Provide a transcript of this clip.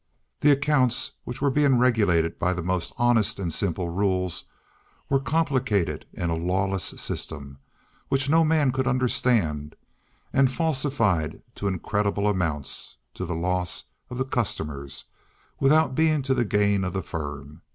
The accounts, which were to be regulated by the most honest and simple rules, were complicated in a lawless system, which no man could understand, and falsified to incredible amounts, to the loss of the customers, without being to the gain of the firm.